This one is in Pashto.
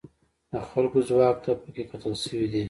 د خلکو ځواک ته پکې کتل شوي دي.